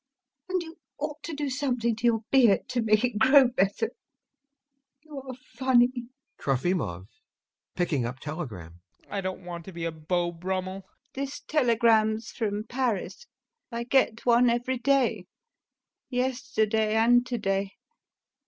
And you ought to do something to your beard to make it grow better You are funny! TROFIMOV. [Picking up telegram] I don't want to be a Beau Brummel. LUBOV. This telegram's from Paris. I get one every day. Yesterday and to day.